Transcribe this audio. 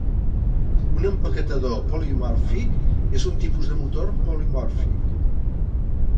Un empaquetador polimòrfic és un tipus de motor polimòrfic.